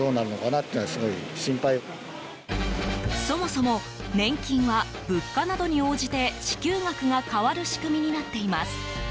そもそも、年金は物価などに応じて支給額が変わる仕組みになっています。